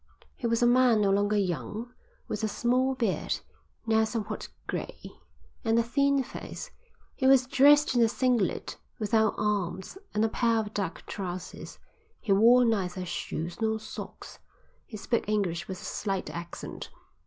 He was a man no longer young, with a small beard, now somewhat grey, and a thin face. He was dressed in a singlet, without arms, and a pair of duck trousers. He wore neither shoes nor socks. He spoke English with a slight accent.